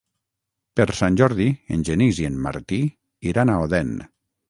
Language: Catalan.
Per Sant Jordi en Genís i en Martí iran a Odèn.